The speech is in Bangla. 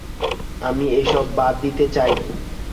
আমি এসব বাদ দিতে চাই।